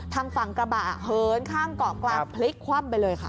ทางฝั่งกระบะเหินข้ามเกาะกลางพลิกคว่ำไปเลยค่ะ